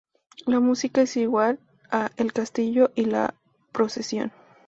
La música es igual a "El Castillo" y "La Procesión".